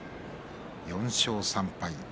４勝３敗。